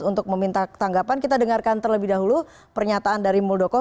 untuk meminta tanggapan kita dengarkan terlebih dahulu pernyataan dari muldoko